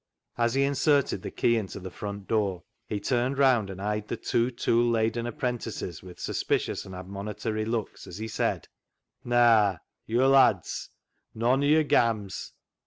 As he inserted the key into the front door, he turned round and eyed the two tool laden apprentices with suspicious and admonitory looks as he said —" Naa, yo' lads, nooan o' yo'r gams.